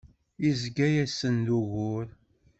Izga-asen d ugur.